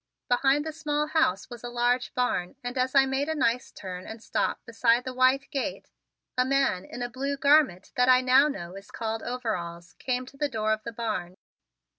Behind the small house was a large barn and as I made a nice turn and stop beside the white gate a man in a blue garment that I now know is called overalls, came to the door of the barn.